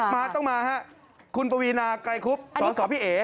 นี่ต้องมาค่ะค่ะคุณปวีนาไกรคุบสวัสดีพี่เอ๋